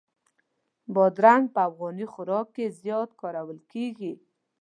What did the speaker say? بادرنګ په افغاني خوراک کې زیات کارول کېږي.